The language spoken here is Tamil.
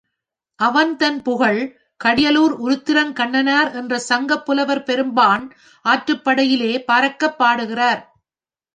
அவன்தன் புகழைக் கடியலூர் உருத்திரங் கண்ணனார் என்ற சங்கப் புலவர் பெரும்பாண் ஆற்றுப் படையிலே பரக்கப் பாடுகிறார்.